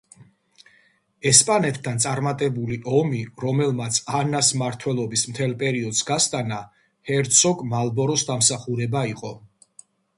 ესპანეთთან წარმატებული ომი, რომელმაც ანას მმართველობის მთელ პერიოდს გასტანა, ჰერცოგ მალბოროს დამსახურება იყო.